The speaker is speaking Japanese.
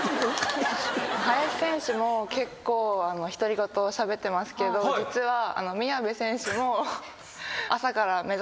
林選手も結構独り言しゃべってますけど実は宮部選手も朝から。